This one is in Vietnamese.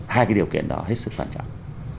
hai cái điều kiện đó hết sức quan trọng